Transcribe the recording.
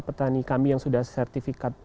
petani kami yang sudah sertifikat